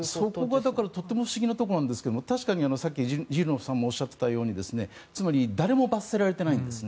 そこがとても不思議なところですが確かに、さっきジルノフさんもおっしゃっていたようにつまり誰も罰せられてないんです。